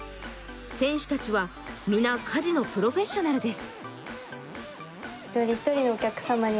選手たちは皆、家事のプロフェッショナルです。